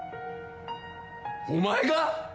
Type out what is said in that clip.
お前が！？